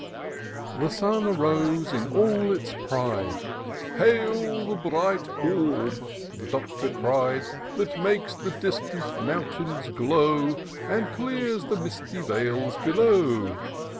HE sun arose in all its pride :—" Hail the bright orb," the Doctor cried, " That makes the distant mountains glow, And clears the misty vales below